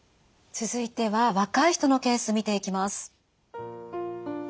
続いては若い人のケース見ていきます。